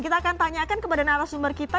kita akan tanyakan kepada narasumber kita